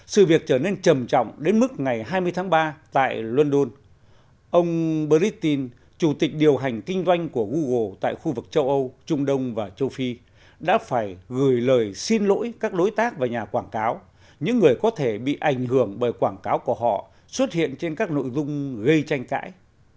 sự việc trở nên trầm trọng đến mức ngày hai mươi tháng ba tại london ông bristin chủ tịch điều hành kinh doanh của google tại khu vực châu âu trung đông và châu phi đã phải gửi lời xin lỗi các đối tác và nhà quảng cáo những người có thể bị ảnh hưởng bởi quảng cáo của họ xuất hiện trên các nội dung gây tranh cãi